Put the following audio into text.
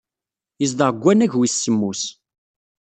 Yezdeɣ deg wannag wis semmus.